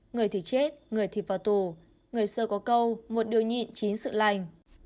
người thì chết người thì vào tù người sơ có câu một điều nhịn chính sự lành